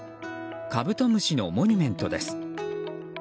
カブトムシのモニュメントです。